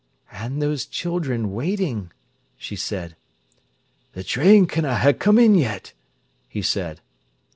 "And those children waiting!" she said. "Th' train canna ha' come in yet," he said.